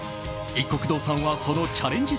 いっこく堂さんはそのチャレンジ